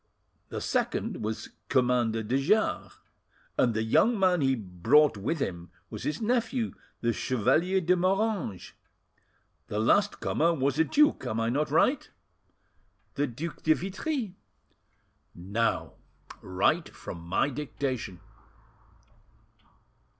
The second was Commander de Jars, and the young man he brought with him was his nephew, the Chevalier de Moranges. The last comer was a duke; am I not right?" "The Duc de Vitry." "Now write from my dictation."